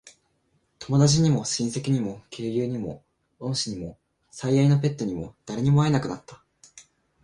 友達にも、親戚にも、旧友にも、恩師にも、最愛のペットにも、誰にも会えなくなった。